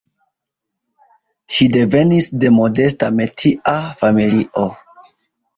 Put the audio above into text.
Ŝi devenis de modesta metia familio.